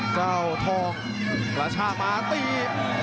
เจ้าทองราชามาตรี